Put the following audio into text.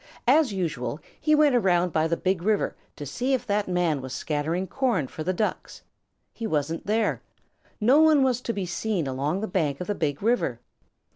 As usual, he went around by the Big River to see if that man was scattering corn for the Ducks. He wasn't there. No one was to be seen along the bank of the Big River.